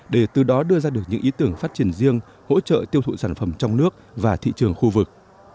để từ đó đưa ra được những ý tưởng phát triển riêng hỗ trợ tiêu thụ sản phẩm trong nước và thị trường khu vực